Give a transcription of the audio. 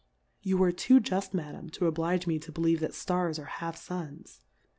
You are too juft, Madam, to oblige me to be lieve that Stars are half Suns.